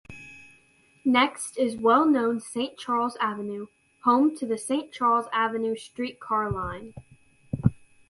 Next is well-known Saint Charles Avenue, home to the Saint Charles Avenue streetcar line.